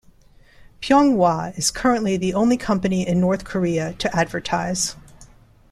Pyeonghwa is currently the only company in North Korea to advertise.